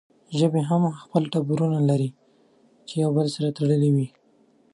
ژبې هم خپل ټبرونه لري چې يو بل سره تړلې وي